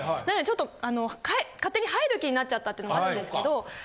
なのでちょっと勝手に入る気になっちゃったっていうのもあるんですけど。